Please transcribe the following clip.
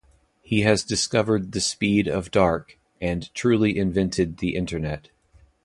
He has discovered the speed of dark, and truly invented the Internet.